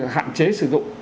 hạn chế sử dụng